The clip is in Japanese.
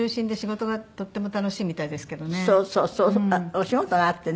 お仕事があってね。